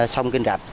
xong kinh rạch